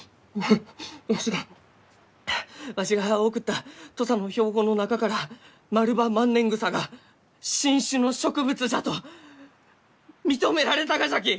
わわしがわしが送った土佐の標本の中からマルバマンネングサが新種の植物じゃと認められたがじゃき！